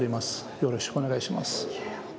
よろしくお願いします。